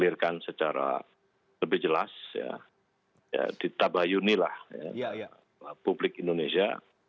diklirkan secara lebih jelas ya ditabayuni lah publik indonesia